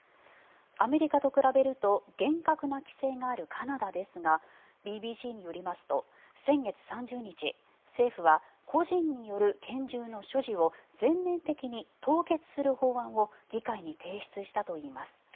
アメリカと比べると厳格な規制があるカナダですがＢＢＣによりますと先月３０日政府は個人による拳銃の所持を全面的に凍結する法案を議会に提出したといいます。